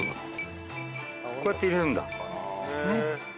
こうやって入れるんだ。